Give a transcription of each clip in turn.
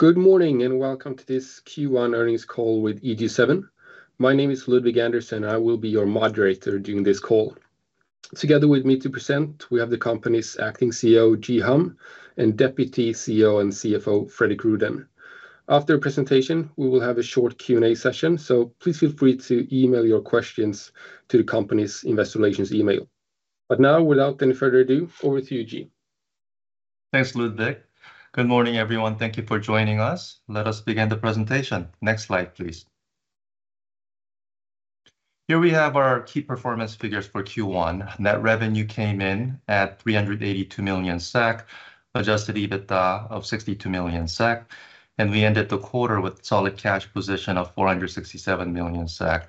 Good morning, and welcome to this Q1 earnings call with EG7. My name is Ludvig Andersson, I will be your moderator during this call. Together with me to present, we have the company's acting CEO, Ji Ham, and Deputy CEO and CFO, Fredrik Rüdén. After the presentation, we will have a short Q&A session, so please feel free to email your questions to the company's investor relations email. Now, without any further ado, over to you, Ji. Thanks, Ludvig. Good morning, everyone. Thank you for joining us. Let us begin the presentation. Next slide, please. Here we have our key performance figures for Q1. Net revenue came in at 382 million SEK, adjusted EBITDA of 62 million SEK, and we ended the quarter with solid cash position of 467 million SEK.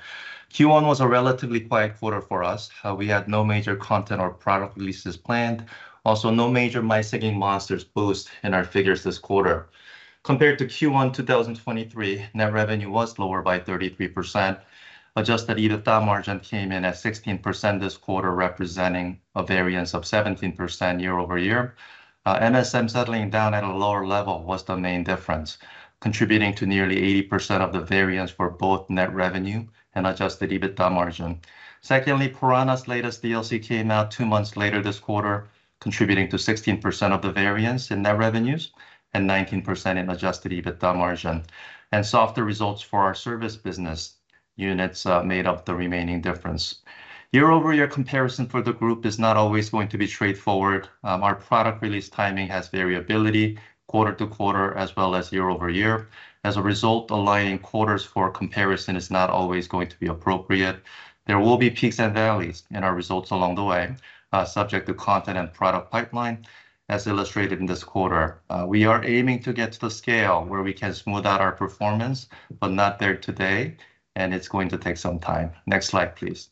Q1 was a relatively quiet quarter for us. We had no major content or product releases planned, also no major My Singing Monsters boost in our figures this quarter. Compared to Q1 2023, net revenue was lower by 33%. Adjusted EBITDA margin came in at 16% this quarter, representing a variance of 17% year-over-year. MSM settling down at a lower level was the main difference, contributing to nearly 80% of the variance for both net revenue and adjusted EBITDA margin. Secondly, Piranha's latest DLC came out two months later this quarter, contributing to 16% of the variance in net revenues and 19% in adjusted EBITDA margin. And softer results for our service business units made up the remaining difference. Year-over-year comparison for the group is not always going to be straightforward. Our product release timing has variability quarter-to-quarter, as well as year-over-year. As a result, aligning quarters for comparison is not always going to be appropriate. There will be peaks and valleys in our results along the way, subject to content and product pipeline, as illustrated in this quarter. We are aiming to get to the scale where we can smooth out our performance, but not there today, and it's going to take some time. Next slide, please.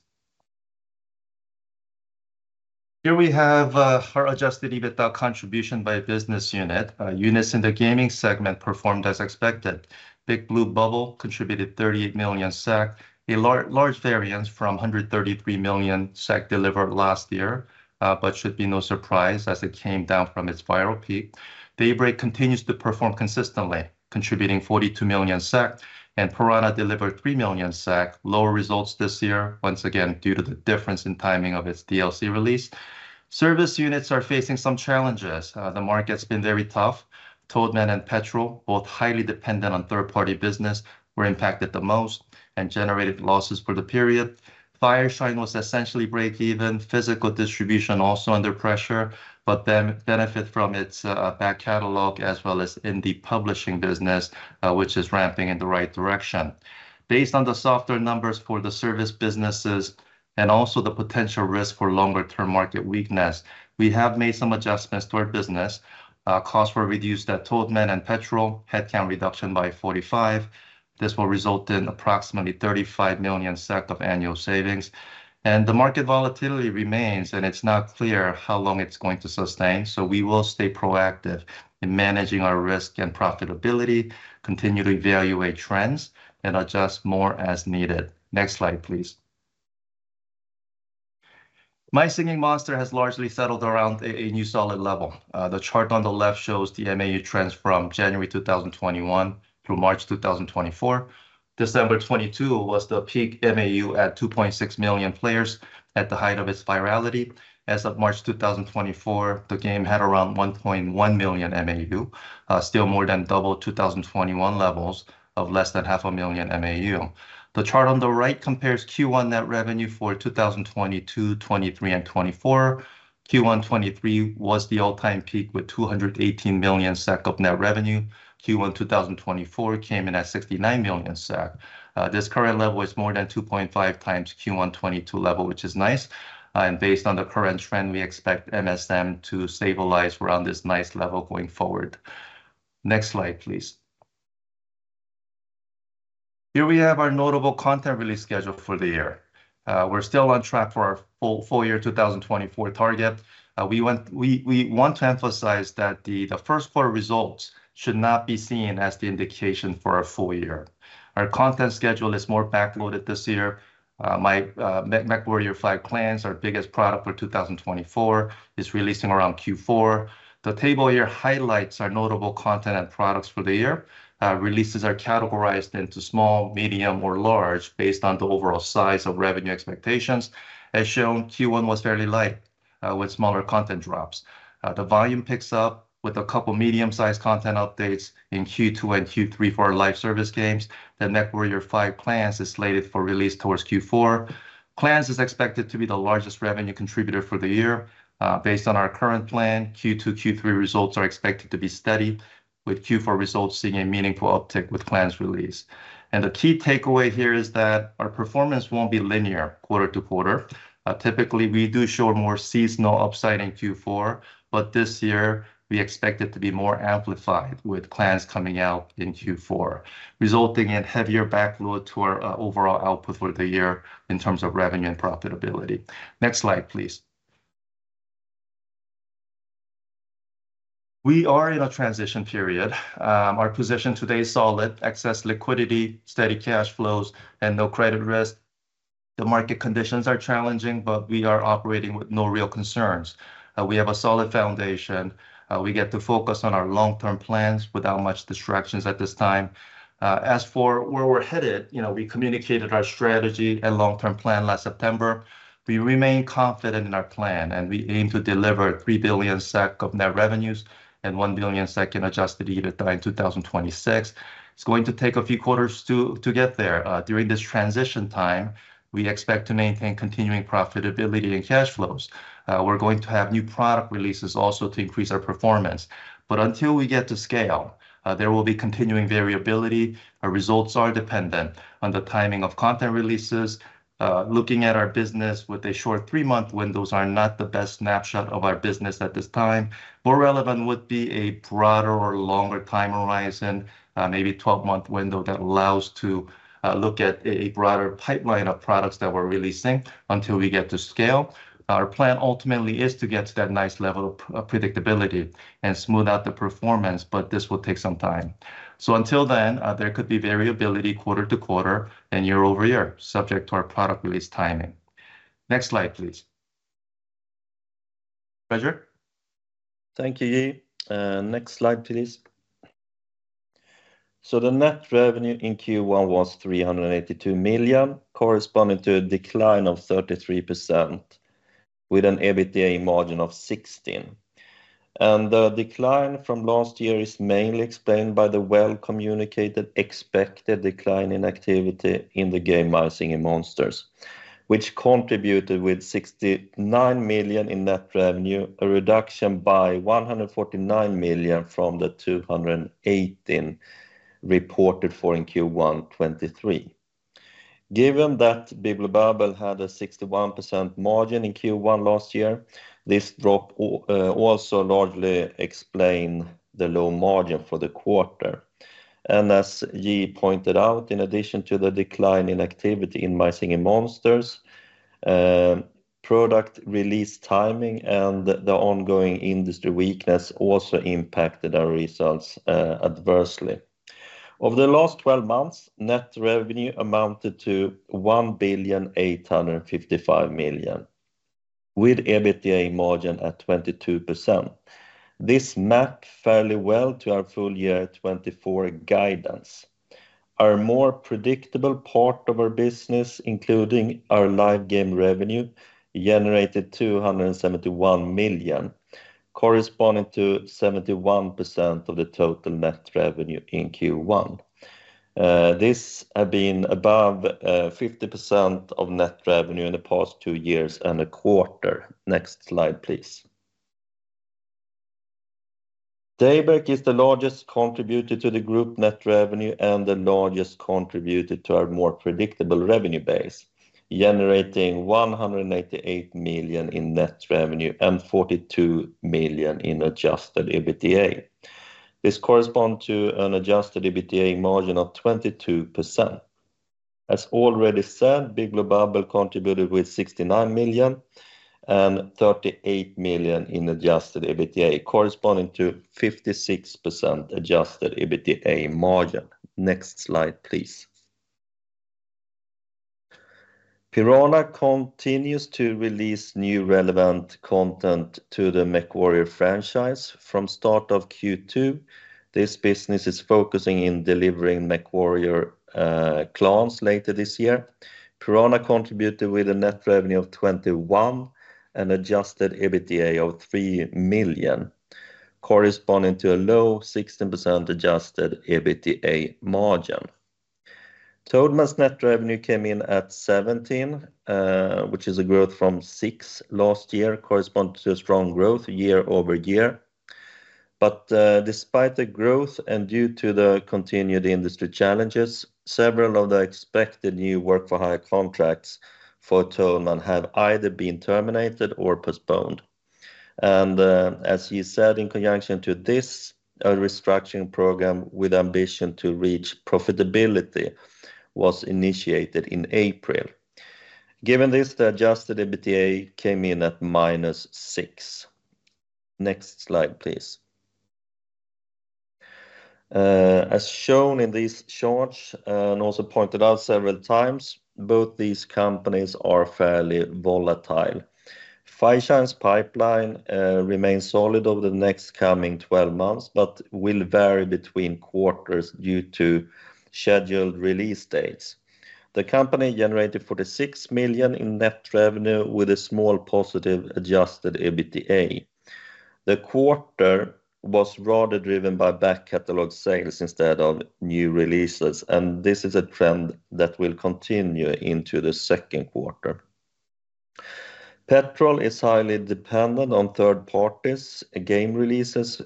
Here we have our adjusted EBITDA contribution by business unit. Units in the gaming segment performed as expected. Big Blue Bubble contributed 38 million SEK, a large variance from 133 million SEK delivered last year, but should be no surprise as it came down from its viral peak. Daybreak continues to perform consistently, contributing 42 million SEK, and Piranha delivered 3 million SEK. Lower results this year, once again, due to the difference in timing of its DLC release. Service units are facing some challenges. The market's been very tough. Toadman and Petrol, both highly dependent on third-party business, were impacted the most and generated losses for the period. Fireshine was essentially break even. Physical distribution also under pressure, but then benefit from its back catalog, as well as in the publishing business, which is ramping in the right direction. Based on the softer numbers for the service businesses and also the potential risk for longer-term market weakness, we have made some adjustments to our business. Costs were reduced at Toadman and Petrol, headcount reduction by 45. This will result in approximately 35 million SEK of annual savings. And the market volatility remains, and it's not clear how long it's going to sustain, so we will stay proactive in managing our risk and profitability, continue to evaluate trends, and adjust more as needed. Next slide, please. My Singing Monsters has largely settled around a new solid level. The chart on the left shows the MAU trends from January 2021 through March 2024. December 2022 was the peak MAU at 2.6 million players at the height of its virality. As of March 2024, the game had around 1.1 million MAU, still more than double 2021 levels of less than 0.5 million MAU. The chart on the right compares Q1 net revenue for 2022, 2023, and 2024. Q1 2023 was the all-time peak, with 218 million SEK of net revenue. Q1 2024 came in at 69 million SEK. This current level is more than 2.5 times Q1 2022 level, which is nice, and based on the current trend, we expect MSM to stabilize around this nice level going forward. Next slide, please. Here we have our notable content release schedule for the year. We're still on track for our full full year 2024 target. We want to emphasize that the first quarter results should not be seen as the indication for our full year. Our content schedule is more backloaded this year. MechWarrior 5: Clans, our biggest product for 2024, is releasing around Q4. The table here highlights our notable content and products for the year. Releases are categorized into small, medium, or large, based on the overall size of revenue expectations. As shown, Q1 was fairly light, with smaller content drops. The volume picks up with a couple medium-sized content updates in Q2 and Q3 for our live service games. The MechWarrior 5: Clans is slated for release towards Q4. Clans is expected to be the largest revenue contributor for the year. Based on our current plan, Q2, Q3 results are expected to be steady, with Q4 results seeing a meaningful uptick with Clans release. The key takeaway here is that our performance won't be linear quarter to quarter. Typically, we do show more seasonal upside in Q4, but this year, we expect it to be more amplified, with Clans coming out in Q4, resulting in heavier backload to our overall output for the year in terms of revenue and profitability. Next slide, please. We are in a transition period. Our position today is solid: excess liquidity, steady cash flows, and no credit risk. The market conditions are challenging, but we are operating with no real concerns. We have a solid foundation. We get to focus on our long-term plans without much distractions at this time. As for where we're headed, you know, we communicated our strategy and long-term plan last September. We remain confident in our plan, and we aim to deliver 3 billion SEK of net revenues and 1 billion SEK in Adjusted EBITDA in 2026. It's going to take a few quarters to get there. During this transition time, we expect to maintain continuing profitability and cash flows. We're going to have new product releases also to increase our performance. But until we get to scale, there will be continuing variability. Our results are dependent on the timing of content releases. Looking at our business with a short three-month windows are not the best snapshot of our business at this time. More relevant would be a broader or longer time horizon, maybe 12-month window that allows to look at a broader pipeline of products that we're releasing until we get to scale. Our plan ultimately is to get to that nice level of predictability and smooth out the performance, but this will take some time. So until then, there could be variability quarter to quarter and year over year, subject to our product release timing. Next slide, please. Roger? Thank you, Ji. Next slide, please. So the net revenue in Q1 was 382 million, corresponding to a decline of 33%, with an EBITDA margin of 16%. And the decline from last year is mainly explained by the well-communicated expected decline in activity in the game My Singing Monsters, which contributed with 69 million in net revenue, a reduction by 149 million from the 218 million reported in Q1 2023. Given that Big Blue Bubble had a 61% margin in Q1 last year, this drop also largely explain the low margin for the quarter. And as Ji pointed out, in addition to the decline in activity in My Singing Monsters, product release timing and the ongoing industry weakness also impacted our results, adversely. Over the last twelve months, net revenue amounted to 1,855 million, with EBITDA margin at 22%. This map fairly well to our full year 2024 guidance. Our more predictable part of our business, including our live game revenue, generated 271 million, corresponding to 71% of the total net revenue in Q1. This have been above fifty percent of net revenue in the past two years and a quarter. Next slide, please. Daybreak is the largest contributor to the group net revenue and the largest contributor to our more predictable revenue base, generating 188 million in net revenue and 42 million in adjusted EBITDA. This correspond to an adjusted EBITDA margin of 22%. As already said, Big Blue Bubble contributed with 69 million and 38 million in adjusted EBITDA, corresponding to 56% adjusted EBITDA margin. Next slide, please. Piranha continues to release new relevant content to the MechWarrior franchise. From start of Q2, this business is focusing in delivering MechWarrior Clans later this year. Piranha contributed with a net revenue of 21 million and adjusted EBITDA of 3 million, corresponding to a low 16% adjusted EBITDA margin. Toadman's net revenue came in at 17 million, which is a growth from 6 million last year, correspond to a strong growth year-over-year. But, despite the growth and due to the continued industry challenges, several of the expected new work-for-hire contracts for Toadman have either been terminated or postponed. And, as you said, in conjunction to this, a restructuring program with ambition to reach profitability was initiated in April. Given this, the Adjusted EBITDA came in at -6. Next slide, please. As shown in these charts, and also pointed out several times, both these companies are fairly volatile. Fireshine’s pipeline remains solid over the next coming 12 months, but will vary between quarters due to scheduled release dates. The company generated 46 million in net revenue with a small positive Adjusted EBITDA. The quarter was rather driven by back catalog sales instead of new releases, and this is a trend that will continue into the second quarter. Petrol is highly dependent on third parties' game releases,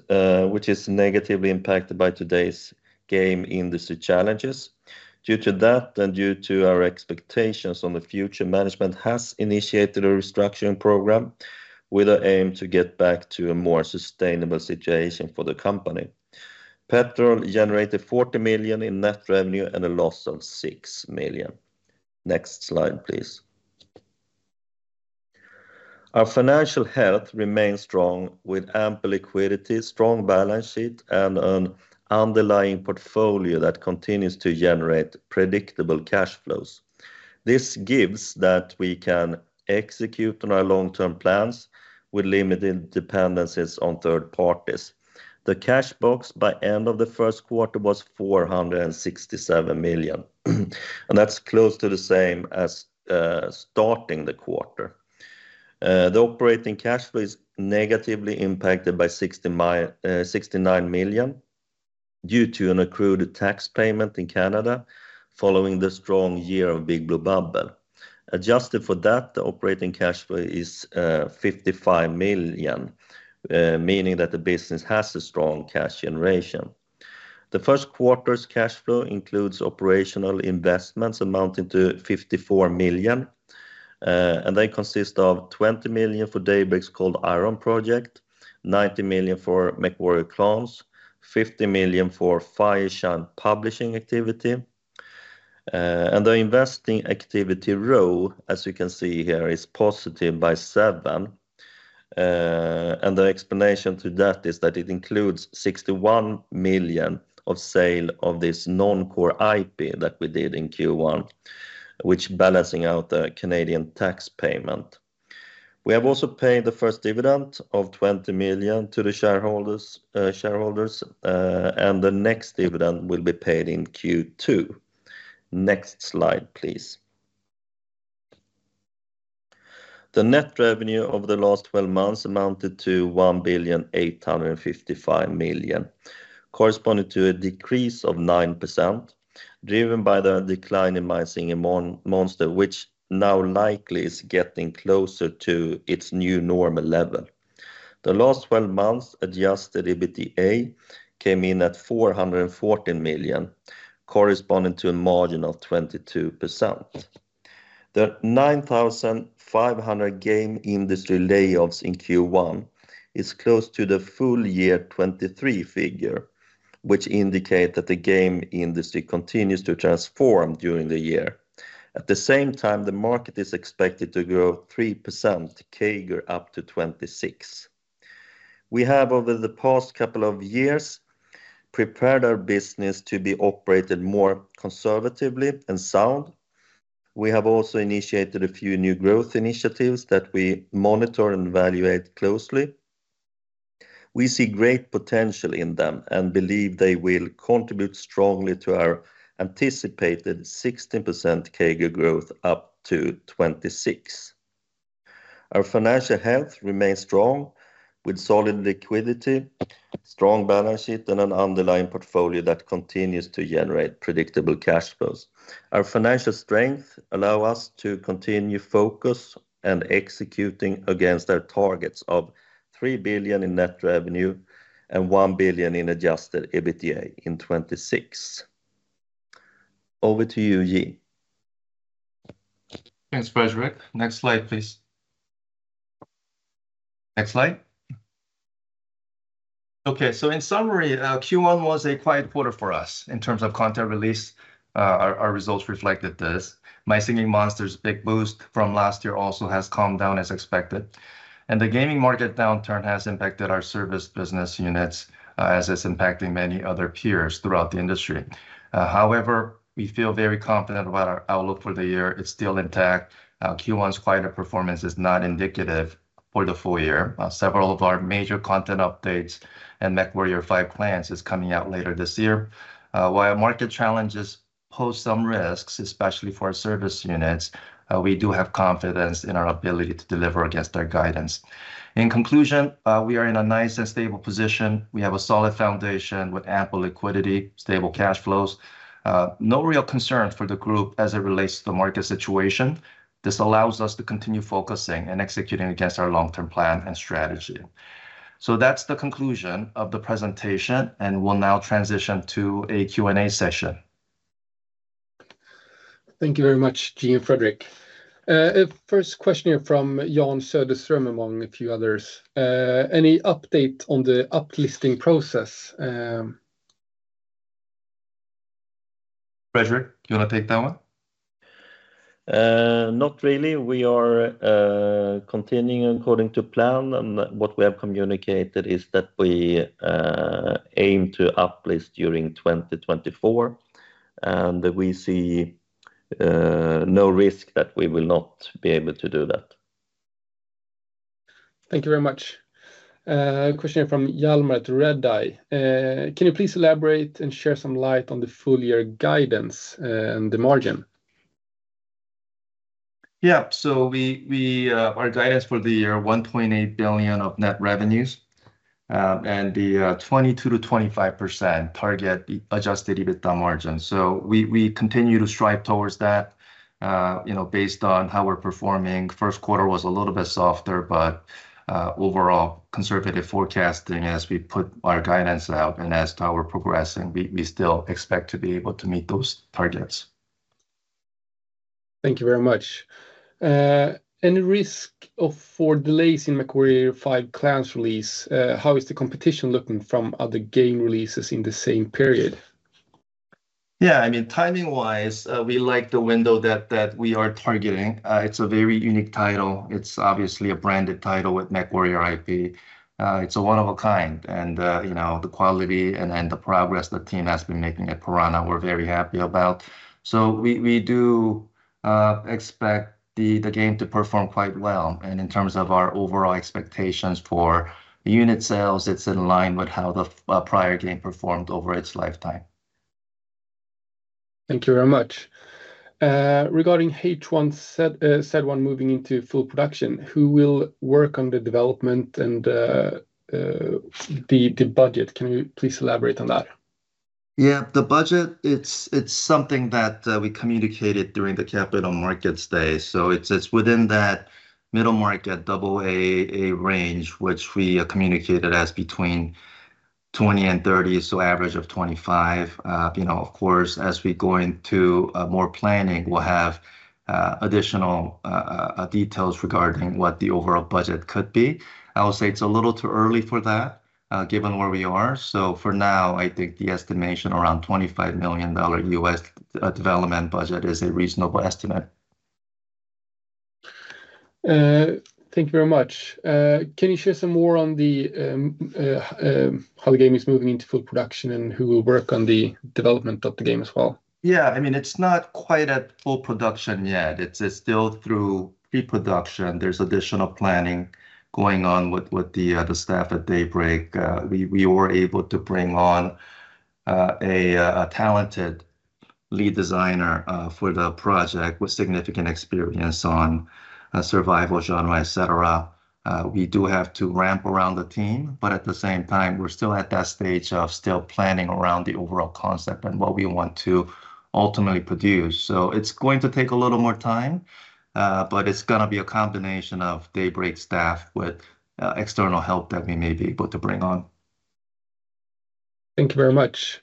which is negatively impacted by today's game industry challenges. Due to that and due to our expectations on the future, management has initiated a restructuring program with an aim to get back to a more sustainable situation for the company. Petrol generated 40 million in net revenue and a loss of 6 million. Next slide, please. Our financial health remains strong with ample liquidity, strong balance sheet, and an underlying portfolio that continues to generate predictable cash flows. This gives that we can execute on our long-term plans with limited dependencies on third parties. The cash box by end of the first quarter was 467 million, and that's close to the same as starting the quarter. The operating cash flow is negatively impacted by 69 million due to an accrued tax payment in Canada following the strong year of Big Blue Bubble. Adjusted for that, the operating cash flow is 55 million, meaning that the business has a strong cash generation. The first quarter's cash flow includes operational investments amounting to 54 million, and they consist of 20 million for Cold Iron Project, 90 million for MechWarrior Clans, 50 million for Fireshine publishing activity. And the investing activity row, as you can see here, is positive by 7. And the explanation to that is that it includes 61 million of sale of this non-core IP that we did in Q1, which balancing out the Canadian tax payment. We have also paid the first dividend of 20 million to the shareholders, and the next dividend will be paid in Q2. Next slide, please. The net revenue over the last twelve months amounted to 1,855 million, corresponding to a decrease of 9%, driven by the decline in My Singing Monsters, which now likely is getting closer to its new normal level. The last twelve months adjusted EBITDA came in at 414 million, corresponding to a margin of 22%. The 9,500 game industry layoffs in Q1 is close to the full year 2023 figure, which indicate that the game industry continues to transform during the year. At the same time, the market is expected to grow 3%, CAGR up to 26. We have, over the past couple of years, prepared our business to be operated more conservatively and sound. We have also initiated a few new growth initiatives that we monitor and evaluate closely. We see great potential in them and believe they will contribute strongly to our anticipated 16% CAGR growth up to 2026. Our financial health remains strong, with solid liquidity, strong balance sheet, and an underlying portfolio that continues to generate predictable cash flows. Our financial strength allow us to continue focus and executing against our targets of 3 billion in net revenue and 1 billion in adjusted EBITDA in 2026. Over to you, Ji. Thanks, Fredrik. Next slide, please. Next slide. Okay, so in summary, Q1 was a quiet quarter for us in terms of content release, our results reflected this. My Singing Monsters' big boost from last year also has calmed down as expected, and the gaming market downturn has impacted our service business units, as it's impacting many other peers throughout the industry. However, we feel very confident about our outlook for the year. It's still intact. Q1's quieter performance is not indicative for the full year. Several of our major content updates and MechWarrior 5: Clans is coming out later this year. While market challenges pose some risks, especially for our service units, we do have confidence in our ability to deliver against our guidance. In conclusion, we are in a nice and stable position. We have a solid foundation with ample liquidity, stable cash flows, no real concern for the group as it relates to the market situation. This allows us to continue focusing and executing against our long-term plan and strategy. So that's the conclusion of the presentation, and we'll now transition to a Q&A session. Thank you very much, Ji and Fredrik. First question here from Jan Söderström, among a few others. Any update on the uplisting process? Fredrik, you wanna take that one? Not really. We are continuing according to plan, and what we have communicated is that we aim to uplist during 2024, and we see no risk that we will not be able to do that. Thank you very much. Question from Hjalmar at Redeye. "Can you please elaborate and share some light on the full year guidance, and the margin? Yeah, so our guidance for the year, 1.8 billion of net revenues, and the 22%-25% target Adjusted EBITDA margin. So we continue to strive towards that, you know, based on how we're performing. First quarter was a little bit softer, but overall, conservative forecasting as we put our guidance out and as to how we're progressing, we still expect to be able to meet those targets. Thank you very much. Any risk of delays in MechWarrior 5 Clans release? How is the competition looking from other game releases in the same period? ... Yeah, I mean, timing-wise, we like the window that we are targeting. It's a very unique title. It's obviously a branded title with MechWarrior IP. It's a one of a kind, and, you know, the quality and then the progress the team has been making at Piranha, we're very happy about. So we do expect the game to perform quite well, and in terms of our overall expectations for unit sales, it's in line with how the prior game performed over its lifetime. Thank you very much. Regarding H1Z1 moving into full production, who will work on the development and the budget? Can you please elaborate on that? Yeah, the budget, it's something that we communicated during the Capital Markets Day. So it's within that middle market, double A, A range, which we communicated as between 20 and 30, so average of 25. You know, of course, as we go into more planning, we'll have additional details regarding what the overall budget could be. I would say it's a little too early for that, given where we are. So for now, I think the estimation around $25 million development budget is a reasonable estimate. Thank you very much. Can you share some more on how the game is moving into full production and who will work on the development of the game as well? Yeah, I mean, it's not quite at full production yet. It's still through pre-production. There's additional planning going on with the staff at Daybreak. We were able to bring on a talented lead designer for the project, with significant experience on survival genre, et cetera. We do have to ramp around the team, but at the same time, we're still at that stage of still planning around the overall concept and what we want to ultimately produce. So it's going to take a little more time, but it's gonna be a combination of Daybreak staff with external help that we may be able to bring on. Thank you very much.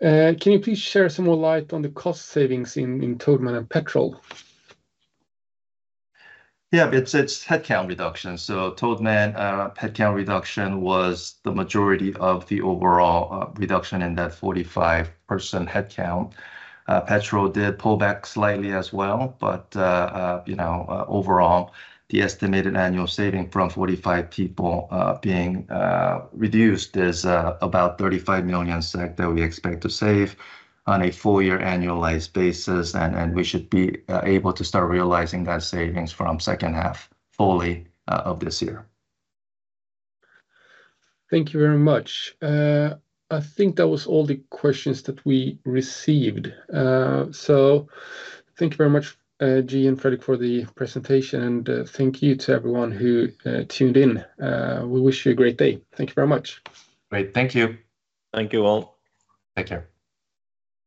Can you please share some more light on the cost savings in Toadman and Petrol? Yeah, it's headcount reduction. So Toadman, headcount reduction was the majority of the overall, reduction in that 45 person headcount. Petrol did pull back slightly as well, but, you know, overall, the estimated annual saving from 45 people, being, reduced is, about 35 million SEK that we expect to save on a full year annualized basis, and we should be able to start realizing that savings from second half fully, of this year. Thank you very much. I think that was all the questions that we received. So thank you very much, Ji and Fredrik, for the presentation, and thank you to everyone who tuned in. We wish you a great day. Thank you very much. Great, thank you. Thank you, all. Take care.